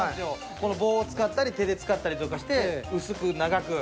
この棒を使ったり手で使ったりとかして薄く長く。